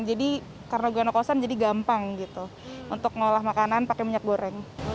jadi karena gue ngekosan jadi gampang gitu untuk mengolah makanan pakai minyak goreng